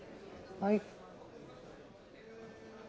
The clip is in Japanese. はい。